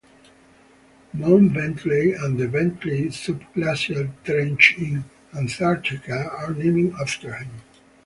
Mount Bentley and the Bentley Subglacial Trench in Antarctica are named after him.